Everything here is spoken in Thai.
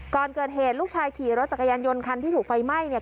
ก่อนเกิดเหตุลูกชายขี่รถจักรยานยนต์คันที่ถูกไฟไหม้เนี่ย